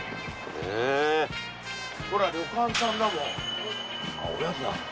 ほら旅館さんだもん。